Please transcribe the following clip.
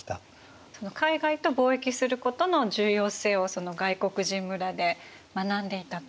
海外と貿易することの重要性をその外国人村で学んでいたと。